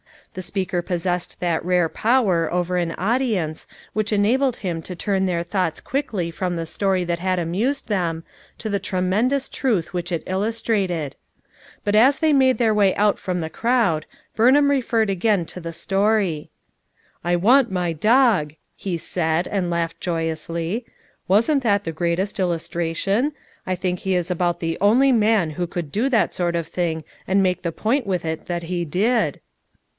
The speaker possessed that rare power over an au dience, which enabled him to turn their thoughts quickly from the story that had amused them, to the tremendous truth which it illustrated. But as they made their way out from the crowd, Burnham referred again to the story. " 'I want my dog,' " he said, and laughed joy ously. "Wasn't that the greatest illustration! I think he is about the only man who could do that sort of thing and make the point with it that he did."